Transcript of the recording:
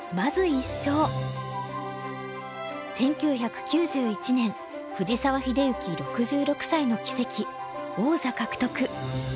１９９１年藤沢秀行６６歳の奇跡王座獲得。